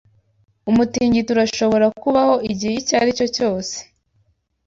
Umutingito urashobora kubaho igihe icyo aricyo cyose.